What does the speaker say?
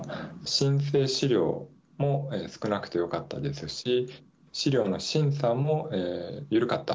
申請資料も少なくてよかったですし、資料の審査も緩かった。